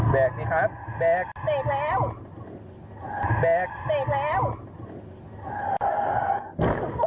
แบกนี่ครับแบก